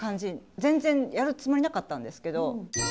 全然やるつもりなかったんですけど。